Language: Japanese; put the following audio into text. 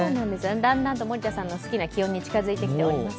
だんだんと森田さんの好きな気温に近づいてきております。